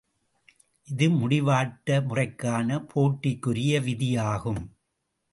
இது முடிவாட்ட முறைக்கான போட்டிக்குரிய விதியாகும்.